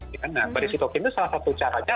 nah badai sitokin itu salah satu cara aja